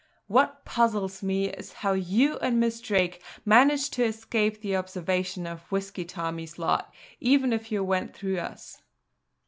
What puzzles me is how you and Miss Drake managed to escape the observation of Whisky Tommy's lot, even if you went through us!"